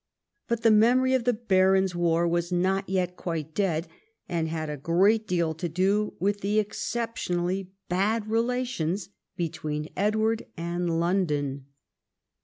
But the memory of the Barons' War was not yet quite dead, and had a great deal to do with the exceptionally bad relations between Edward and London.